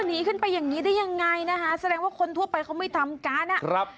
หนีขึ้นไปอย่างนี้ได้ยังไงนะคะแสดงว่าคนทั่วไปเขาไม่ทำการอ่ะครับ